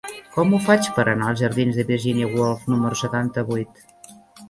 Com ho faig per anar als jardins de Virginia Woolf número setanta-vuit?